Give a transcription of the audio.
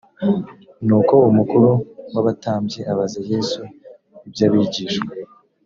nuko umukuru w abatambyi abaza yesu iby abigishwa